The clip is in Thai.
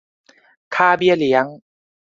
ค่าเบี้ยเลี้ยง